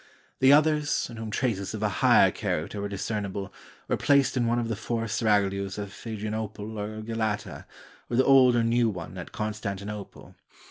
The others, in whom traces of a higher character were discernible, were placed in one of the four seraglios of Adrianople or Galata, or the old or new one at Constantinople.